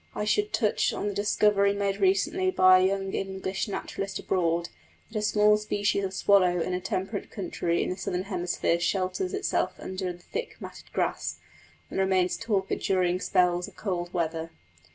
I should touch on the discovery made recently by a young English naturalist abroad, that a small species of swallow in a temperate country in the Southern Hemisphere shelters itself under the thick matted grass, and remains torpid during spells of cold weather.